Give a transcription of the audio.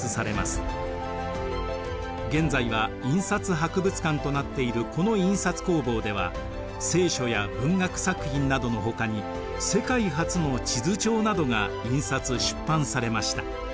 現在は印刷博物館となっているこの印刷工房では「聖書」や文学作品などのほかに世界初の地図帳などが印刷出版されました。